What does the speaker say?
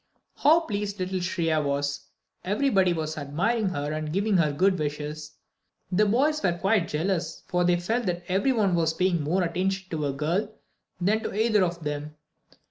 How pleased little Shriya was! Everybody was admiring her and giving her good wishes. The boys were quite jealous, for they felt that every one was paying more attention to a girl than to either of them.